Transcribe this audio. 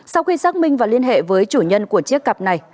sau khi xác minh và liên hệ với chủ nhân của chiếc cặp này